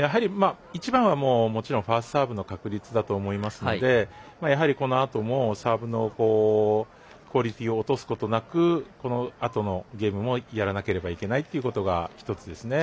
一番はもちろんファーストサーブの確率だと思いますのでやはり、このあともサーブのクオリティーを落とすことなくこのあとのゲームもやらなければいけないことは１つですね。